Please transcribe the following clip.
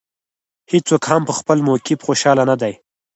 هېڅوک هم په خپل موقف خوشاله نه دی.